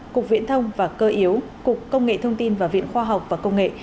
cục viễn thông và cơ yếu cục công nghệ thông tin và viện khoa học và công nghệ